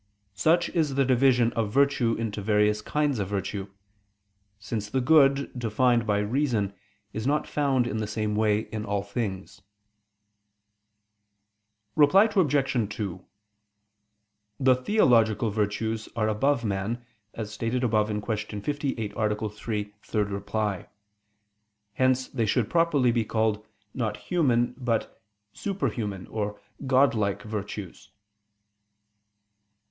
Such is the division of virtue into various kinds of virtue: since the good defined by reason is not found in the same way in all things. Reply Obj. 2: The theological virtues are above man, as stated above (Q. 58, A. 3, ad 3). Hence they should properly be called not human, but "super human" or godlike virtues.